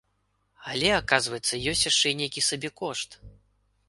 Але аказваецца, ёсць яшчэ і нейкі сабекошт!